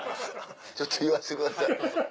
ちょっと言わしてください。